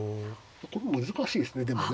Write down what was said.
これ難しいですねでもね。